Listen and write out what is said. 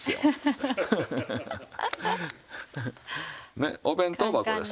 ねお弁当箱です。